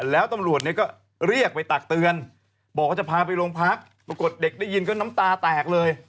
แล้วตำรวจเนี่ยก็เรียกไปตักเตือนบอกว่าจะพาไปโรงพักปรากฏเด็กได้ยินก็น้ำตาแตกเลย